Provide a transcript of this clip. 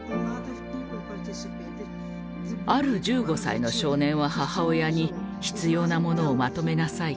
ある１５歳の少年は母親に「必要なものをまとめなさい。